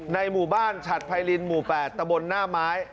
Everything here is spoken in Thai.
ในหมู่บ้านฉัดไพรินหมู่๘ตะบนหน้าไม้